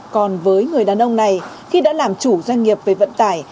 còn với người đàn ông này khi đã làm chủ doanh nghiệp về vận tải